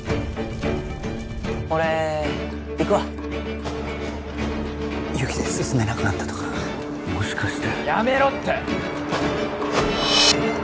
俺行くわ雪で進めなくなったとかもしかしてやめろってッ